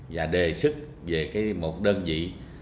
và đề sức về một đơn vị